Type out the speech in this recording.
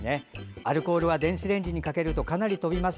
アルコールは電子レンジにかけるとかなり飛びます。